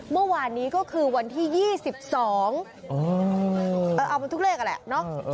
เมื่อวานนี้ก็คือวันที่๒๒เอาเป็นทุกเลขอะแหละเนาะ